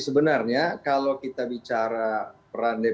sebenarnya kalau kita bicara peran dpr